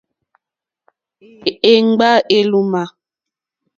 Éŋɡbá èlómà.